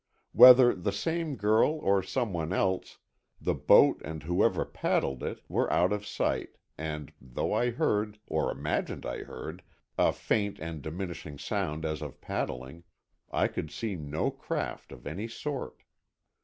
Whether the same girl or some one else, the boat and whoever paddled it, were out of sight, and though I heard, or imagined I heard, a faint and diminishing sound as of paddling, I could see no craft of any sort.